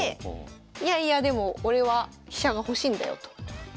いやいやでも俺は飛車が欲しいんだよと。